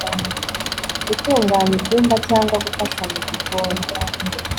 gutunganya ibyumba cyangwa gufasha mu gikoni